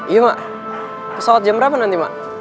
iya mak pesawat jam berapa nanti mak